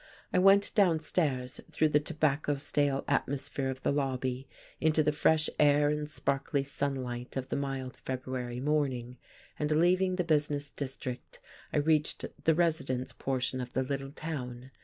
I went downstairs through the tobacco stale atmosphere of the lobby into the fresh air and sparkly sunlight of the mild February morning, and leaving the business district I reached the residence portion of the little town.